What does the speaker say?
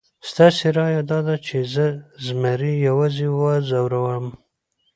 ستاسې رایه داده چې زه زمري یوازې وځوروم؟